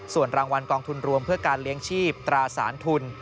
ส่วนรางวัลกองทุนรวมเพื่อการเลี้ยงชีพตราสารทุน